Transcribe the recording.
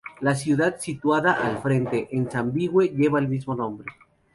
La ciudad situada al frente, en Zimbabue, lleva el mismo nombre.